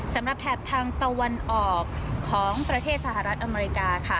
แถบทางตะวันออกของประเทศสหรัฐอเมริกาค่ะ